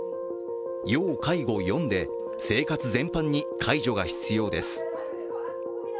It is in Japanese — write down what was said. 要介護４で、生活全般に介助が必要です。